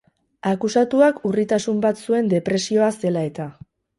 Akusatuak urritasun bat zuen depresioa zela eta.